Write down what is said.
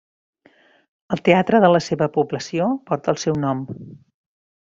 El teatre de la seva població porta el seu nom.